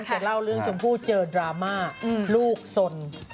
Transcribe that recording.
จะเล่าเรื่องชมพู่เจอดราม่าลูกสน